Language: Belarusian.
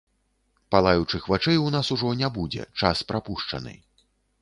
Палаючых вачэй у нас ужо не будзе, час прапушчаны.